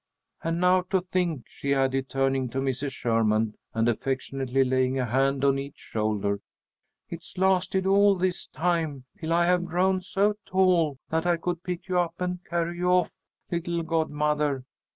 "And now, to think," she added, turning to Mrs. Sherman and affectionately laying a hand on each shoulder, "it's lasted all this time, till I have grown so tall that I could pick you up and carry you off, little godmother.